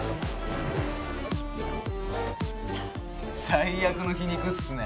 最悪の皮肉っすね！